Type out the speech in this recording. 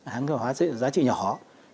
hàng hóa giá trị nhỏ